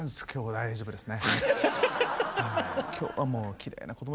大丈夫です！